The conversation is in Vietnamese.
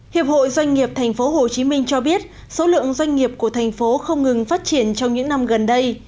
hiệp hội doanh nghiệp tp hcm cho biết số lượng doanh nghiệp của thành phố không ngừng phát triển trong những năm gần đây